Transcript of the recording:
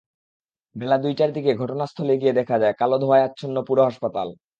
বেলা দুইটার দিকে ঘটনাস্থলে গিয়ে দেখা যায়, কালো ধোঁয়ায় আচ্ছন্ন পুরো হাসপাতাল।